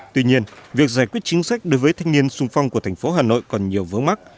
tuy nhiên việc giải quyết chính sách đối với thanh niên sung phong của thành phố hà nội còn nhiều vướng mắt